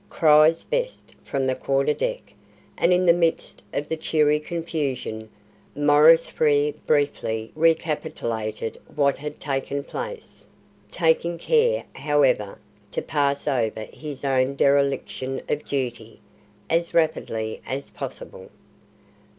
cries Best from the quarter deck; and in the midst of the cheery confusion Maurice Frere briefly recapitulated what had taken place, taking care, however, to pass over his own dereliction of duty as rapidly as possible.